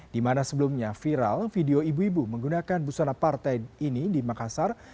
di mana sebelumnya viral video ibu ibu menggunakan busana partai ini di makassar